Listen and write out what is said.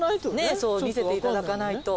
そう見せて頂かないと。